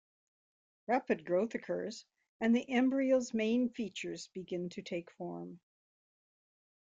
Rapid growth occurs and the embryo's main features begin to take form.